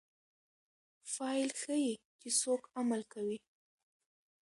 فاعل ښيي، چي څوک عمل کوي.